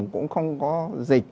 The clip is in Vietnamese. cũng không có dịch